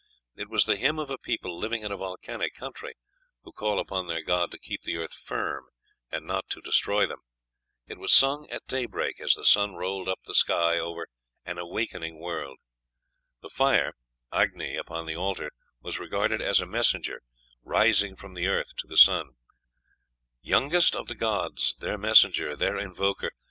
It was the hymn of a people living in a volcanic country, who call upon their god to keep the earth "firm" and not to destroy them. It was sung at daybreak, as the sun rolled up the sky over an "awakening world." The fire (Agni) upon the altar was regarded as a messenger rising from the earth to the sun: "Youngest of the gods, their messenger, their invoker....